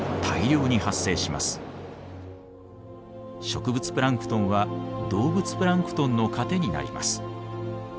植物プランクトンは動物プランクトンの糧になります。